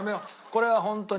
これはホントに。